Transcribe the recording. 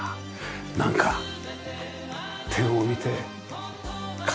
なんか天を見て可能性。